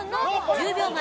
１０秒前。